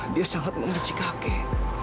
dia sangat menggeci kakek